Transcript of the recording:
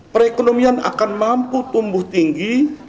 perekonomian akan mampu tumbuh tinggi